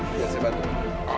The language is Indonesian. yang penting tasnya baik baik aja